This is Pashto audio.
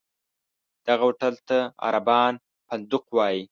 دغه هوټل ته عربان فندق وایي.